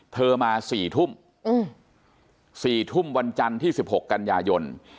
เธอมาสี่ทุ่มอืมสี่ทุ่มวันจันที่สิบหกกันยายน